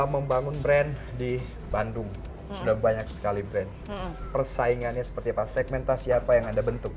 membangun brand di bandung sudah banyak sekali brand persaingannya seperti apa segmentasi apa yang anda bentuk